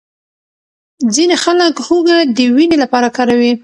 ځینې خلک هوږه د وینې لپاره کاروي.